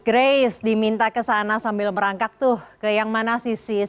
grace diminta kesana sambil merangkap tuh ke yang mana sih sis